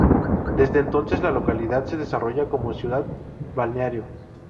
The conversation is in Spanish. Desde entonces la localidad se desarrolla como ciudad balneario.